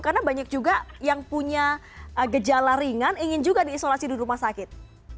karena banyak juga yang punya gejala ringan ingin juga diisolasi di rumah sakit